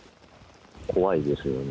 怖いですよね。